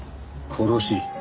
殺し。